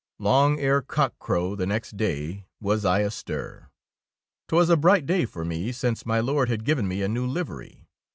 Long ere cockcrow the next day was I astir. 'Twas a bright day 7 DEEDS OF DAKING for me, since my Lord had given me a new livery.